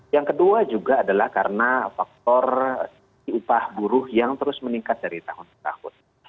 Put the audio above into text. yang kedua juga adalah karena faktor di upah buruh yang terus meningkat dari tahun ke tahun